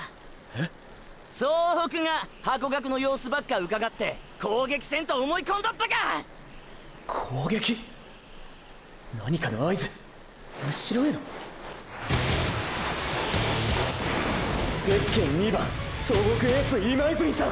総北がハコガクの様子ばっかうかがって攻撃せんと思い込んどったか⁉攻撃⁉何かの合図⁉うしろへの⁉ゼッケン２番総北エース今泉さん！！